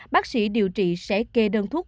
bác sĩ điều trị sẽ kê đơn thuốc